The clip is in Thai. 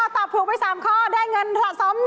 ตอบถูกไป๓ข้อได้เงินสะสม๑๐๐๐